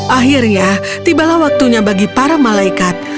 akhirnya tibalah waktunya bagi para malaikat